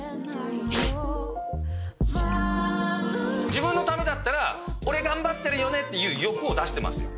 自分のためだったら俺頑張ってるよねっていう欲を出してますよ。